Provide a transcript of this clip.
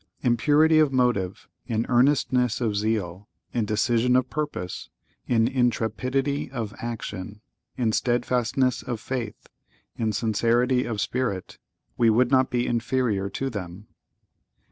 (¶ 3) In purity of motive, in earnestness of zeal, in decision of purpose, in intrepidity of action, in steadfastness of faith, in sincerity of spirit, we would not be inferior to them.